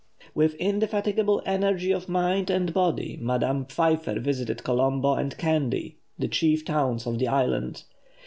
With indefatigable energy of mind and body, Madame Pfeiffer visited Colombo and Kandy, the chief towns of the island.